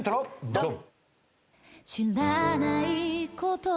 ドン！